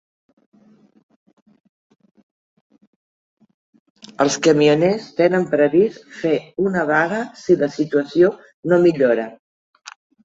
Els camioners tenen previst fer una vaga si la situació no millora.